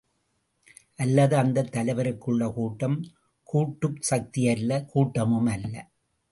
அல்லது அந்தத் தலைவருக்குள்ள கூட்டம் கூட்டும் சக்தியல்ல கூட்டமும் அல்ல.